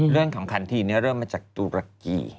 เรื่องของขันทีนเริ่มมาจากตุรกี